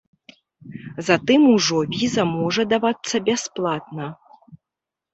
Затым ужо віза можа давацца бясплатна.